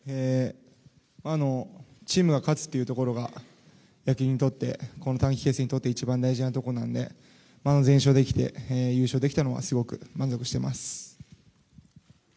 チームが勝つというところが野球にとってこの短期決戦で一番大事なところなので全勝できて、優勝できたのはすごく満足しています。